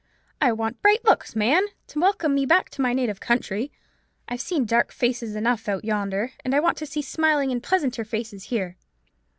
I want bright looks, man, to welcome me back to my native country. I've seen dark faces enough out yonder; and I want to see smiling and pleasanter faces here.